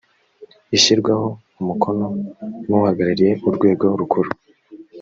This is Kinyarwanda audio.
ishyirwaho umukono n’ uhagarariye urwego rukuru